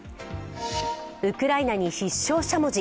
ウクライナに必勝しゃもじ。